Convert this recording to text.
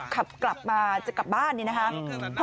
ขับกลับมาจะกลับบ้านเลยนะครับ